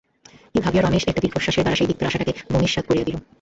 এই ভাবিয়া রমেশ একটা দীর্ঘনিশ্বাসের দ্বারা সেইদিককার আশাটাকে ভূমিসাৎ করিয়া দিল।